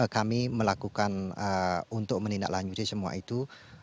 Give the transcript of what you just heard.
kami melakukan untuk menindaklanjuti semua itu